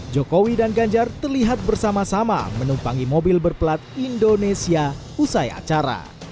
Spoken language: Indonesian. jokowi dan ganjar terlihat bersama sama menumpangi mobil berplat indonesia usai acara